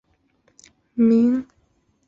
北加州并非一个正式依地理命名的地名。